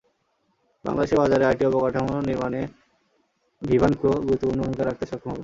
বাংলাদেশের বাজারে আইটি অবকাঠামো নির্মাণে ভিভানকো গুরুত্বপূর্ণ ভূমিকা রাখতে সক্ষম হবে।